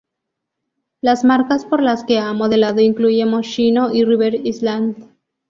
Las marcas por las que ha modelado incluyen Moschino y River Island.